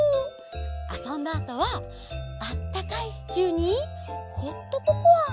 あそんだあとはあったかいシチューにホットココア。